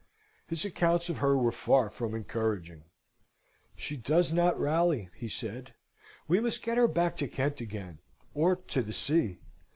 His accounts of her were, far from encouraging. "She does not rally," he said. "We must get her back to Kent again, or to the sea."